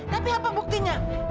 tapi apa buktinya